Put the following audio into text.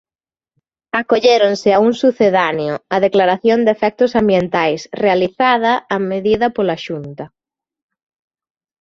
Acolléronse a un sucedáneo: a declaración de efectos ambientais, realizada a medida pola Xunta.